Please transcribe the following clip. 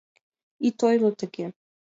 Ит ойло тыге.